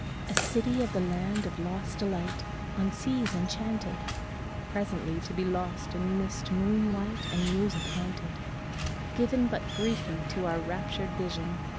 A city of the Land of Lost Delight On seas enchanted. Presently to be lost in mist moon white And music haunted; Given but briefly to our raptured vision.